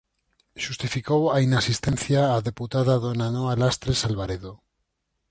Xustificou a inasistencia a deputada dona Noa Lastres Albaredo.